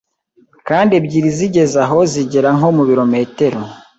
kandi ebyiri zigeze aho zigera nko ku bilometero